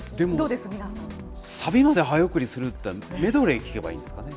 でもサビまで早送りするって、メドレー聴けばいいんですかね。